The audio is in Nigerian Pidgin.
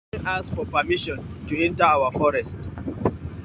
Una no even ask for permission to enter our forest.